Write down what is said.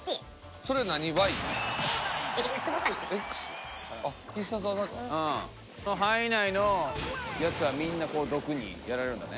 その範囲内のヤツはみんな毒にやられるんだね。